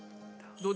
どう？